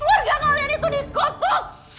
keluarga kalian itu dikotok